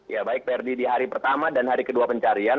ya baik verdi di hari pertama dan hari kedua pencarian